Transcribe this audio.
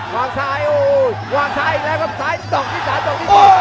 วางซ้ายอีกแล้วครับซ้ายดอกที่สามดอกที่สี่